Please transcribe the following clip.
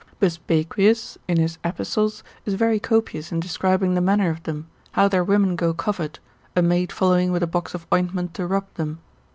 Busbequius, in his epistles, is very copious in describing the manner of them, how their women go covered, a maid following with a box of ointment to rub them.